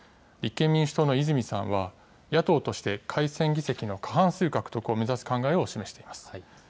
立憲民主党の泉さんは野党として改選議席の過半数獲得を目指す考えを示しています。